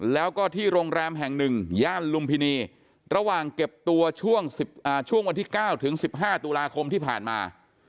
แล้วก็ที่โรงแรมแห่งหนึ่งย่านลุมพินีระหว่างเก็บตัวช่วงวันที่๙ถึง๑๕ตุลาคมที่ผ่านมา